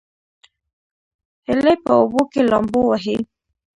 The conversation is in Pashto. هیلۍ په اوبو کې لامبو وهي